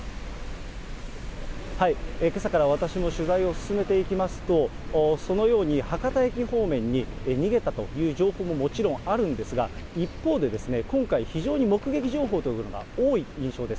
けさから私も取材を進めていきますと、そのように博多駅方面に逃げたという情報ももちろんあるんですが、一方で今回、非常に目撃情報というものが多い印象です。